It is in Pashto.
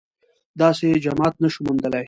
داسې جماعت نه شو موندلای